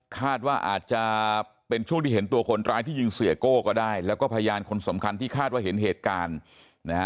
คาดว่าอาจจะเป็นช่วงที่เห็นตัวคนร้ายที่ยิงเสียโก้ก็ได้แล้วก็พยานคนสำคัญที่คาดว่าเห็นเหตุการณ์นะฮะ